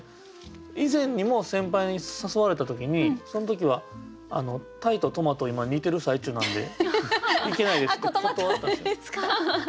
以前にも先輩に誘われた時にそん時は「鯛とトマト今煮てる最中なんで行けないです」って断ったんです。